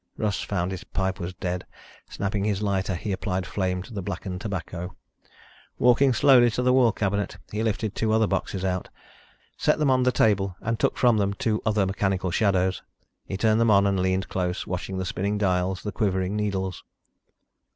Russ found his pipe was dead. Snapping his lighter, he applied flame to the blackened tobacco. Walking slowly to the wall cabinet, he lifted two other boxes out, set them on the table and took from them two other mechanical shadows. He turned them on and leaned close, watching the spinning dials, the quivering needles.